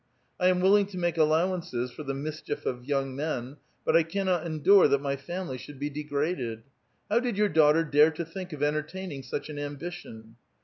1 am willing to make allow ances for the mischief of young men, but I cannot endure that my family should be degraded. How did your daughter dare to think of entertaining such an ambition